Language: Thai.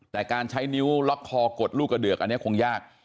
แต่การใช้นิ้วล็อกคอกดลูกกระเดือกอันนี้คงยาก